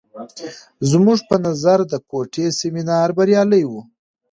زموږ په نظر د کوټې سیمینار بریالی و.